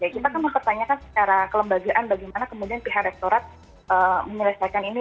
kita kan mempertanyakan secara kelembagaan bagaimana kemudian pihak rektorat menyelesaikan ini